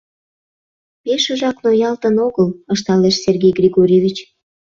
— Пешыжак ноялтын огыл, — ышталеш Сергей Григорьевич.